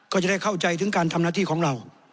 ก็จะได้เข้าใจถึงการทำหน้าที่ของเรา